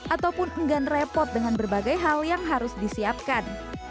ataupun enggan repot dengan berbagai hal yang harus disiapkan